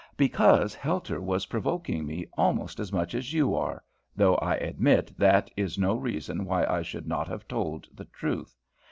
"Because Helter was provoking me almost as much as you are, though I admit that is no reason why I should not have told the truth.